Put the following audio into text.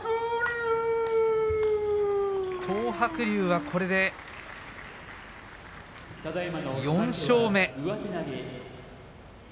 東白龍はこれで４勝目。